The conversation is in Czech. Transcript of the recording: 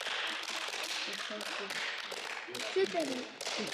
Vzrůst odráží nepříznivé podmínky na otevřené náhorní planině v kamenité půdě.